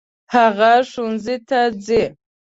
هغه ښوونځي ته ځي.